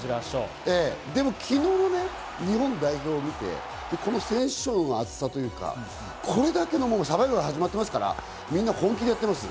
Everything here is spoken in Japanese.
でも昨日のね日本代表を見てこの選手層の厚さというか、これだけのサバイバルがもう始まっていますから、みんな本気でやってます。